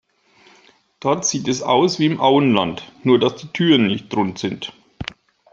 Dort sieht es aus wie im Auenland, nur dass die Türen nicht rund sind.